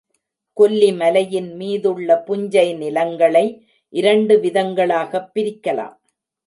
கொல்லிமலையின் மீதுள்ள புஞ்சை நிலங்களை இரண்டு விதங்களாகப் பிரிக்கலாம்.